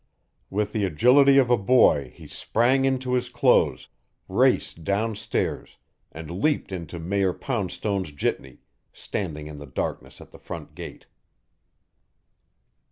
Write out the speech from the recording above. With the agility of a boy he sprang into his clothes, raced downstairs, and leaped into Mayor Poundstone's jitney, standing in the darkness at the front gate.